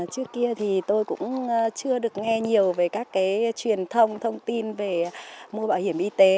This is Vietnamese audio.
trước kia thì tôi cũng chưa được nghe nhiều về các truyền thông thông tin về mua bảo hiểm y tế